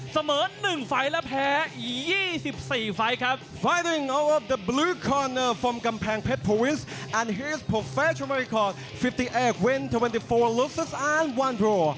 เสมอ๑ไฟล์และแพ้๒๔ไฟล์ครับ